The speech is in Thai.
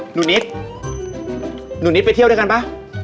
หนูนิ๊ดนุนนิ๊ดไปเที่ยวด้วยกันป่ะ